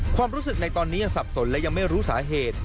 ความรู้สึกในตอนนี้ยังสับสนและยังไม่รู้สาเหตุ